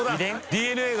ＤＮＡが。